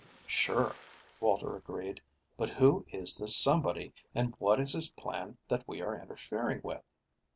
"Sure," Walter agreed, "but who is this somebody, and what is his plan that we are interfering with?"